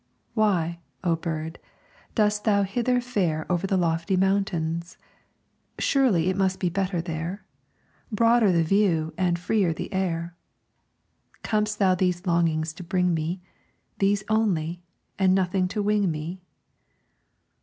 Why, O bird, dost thou hither fare Over the lofty mountains? Surely it must be better there, Broader the view and freer the air; Com'st thou these longings to bring me These only, and nothing to wing me?